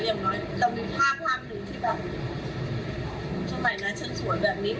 อย่างน้อยเรามีภาพเผาหนึ่งที่ทำไมมันจะสวยแบบนี้